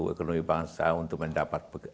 ekonomi bangsa untuk mendapat